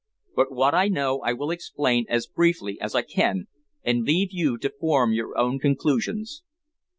But what I know I will explain as briefly as I can, and leave you to form your own conclusions.